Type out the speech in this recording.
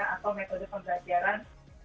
atau metode pembelajaran